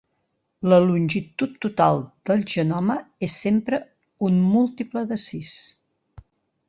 La longitud total del genoma és sempre un múltiple de sis.